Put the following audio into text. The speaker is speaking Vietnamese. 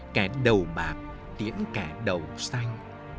cả đầu bạc tiễn cả đầu xanh